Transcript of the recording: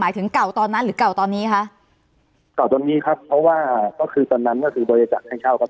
ถึงเก่าตอนนั้นหรือเก่าตอนนี้คะเก่าตอนนี้ครับเพราะว่าก็คือตอนนั้นก็คือบริจาคให้เช่าครับ